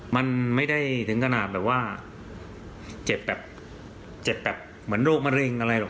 มันไม่ได้ถึงขนาดแบบว่าเจ็บแบบเจ็บแบบเหมือนโรคมะเร็งอะไรหรอก